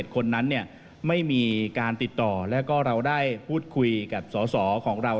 คนนั้นไม่มีการติดต่อแล้วก็เราได้พูดคุยกับสสของเรา